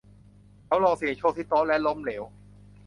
เขาลองเสี่ยงโชคที่โต๊ะและล้มเหลว